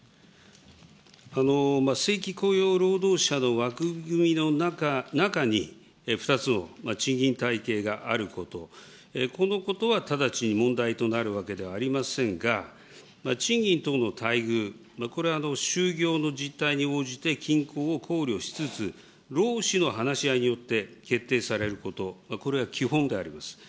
正規雇用労働者の枠組みの中に、２つの賃金体系があること、このことは直ちに問題となるわけではありませんが、賃金等の待遇、これは就業の実態に応じて均衡を考慮しつつ、労使の話し合いによって決定されること、これが基本であります。